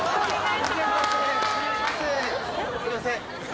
すいません。